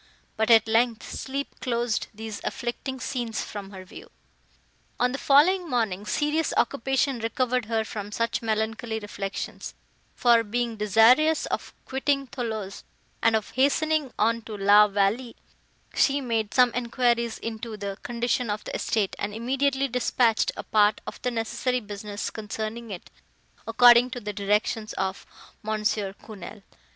—but, at length, sleep closed these afflicting scenes from her view. On the following morning, serious occupation recovered her from such melancholy reflections; for, being desirous of quitting Thoulouse, and of hastening on to La Vallée, she made some enquiries into the condition of the estate, and immediately dispatched a part of the necessary business concerning it, according to the directions of Mons. Quesnel.